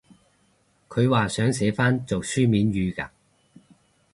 佢話想寫返做書面語嘅？